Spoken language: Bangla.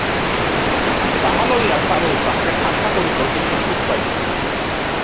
তাহা লইয়া চারু তাহাকে ঠাট্টা করিত কিন্তু সুখ পাইত না।